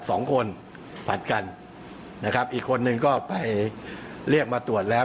สองคนผัดกันนะครับอีกคนนึงก็ไปเรียกมาตรวจแล้ว